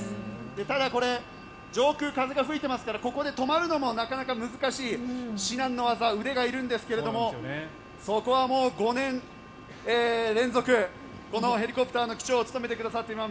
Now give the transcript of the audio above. ただ、これ、上空風が吹いていますからここで止まるのもなかなか難しい、至難の業腕がいるんですがそこは５年連続このヘリコプターの機長を務めてくださっています